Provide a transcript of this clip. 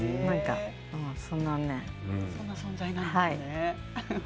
そんな存在なんですね。